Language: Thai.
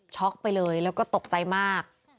ไปเลยแล้วก็ตกใจมาก